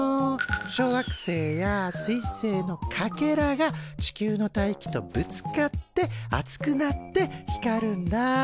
小惑星やすい星のかけらが地球の大気とぶつかって熱くなって光るんだ。